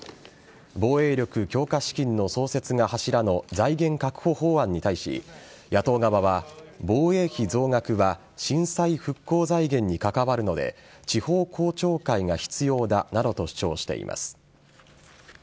防衛力強化資金の創設が柱の財源確保法案に対し野党側は、防衛費総額は震災復興財源に関わるので地方公聴会が必要だなどと主張しています。